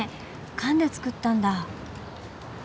缶で作ったんだ。